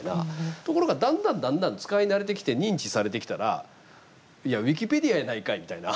ところがだんだんだんだん使い慣れてきて認知されてきたらいやウィキペディアやないかいみたいな。